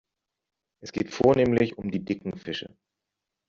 Es geht vornehmlich um die dicken Fische.